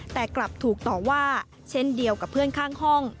แต่กลับถูกต่อว่าเช่นเดียวกับเพื่อนข้างห้อง